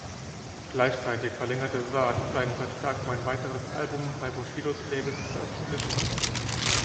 Gleichzeitig verlängerte Saad seinen Vertrag, um ein weiteres Album bei Bushidos Label zu veröffentlichen.